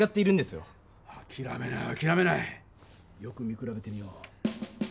よく見くらべてみよう。